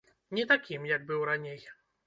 Не такім, як быў раней.